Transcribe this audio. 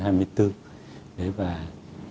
và triển khai